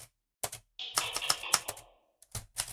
萨松亦为他幸存的手稿作注释。